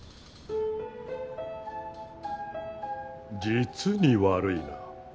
実に悪いな。